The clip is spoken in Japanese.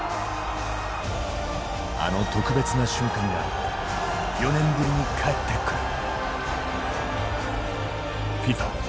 あの特別な瞬間が４年ぶりに帰ってくる。